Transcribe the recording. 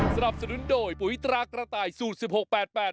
สนับสนุนโดยปุ๋ยตรากระต่ายสูตรสิบหกแปดแปด